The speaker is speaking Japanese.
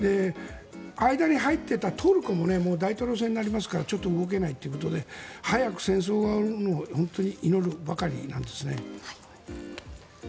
間に入っていたトルコも大統領選になりますからちょっと動けないということで早く戦争が終わるのを本当に祈るばかりです。